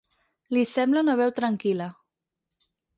Li sembla una veu tranquil·la.